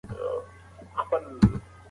ټولنیز نظم پرته له ګډو اصولو نه ساتل کېږي.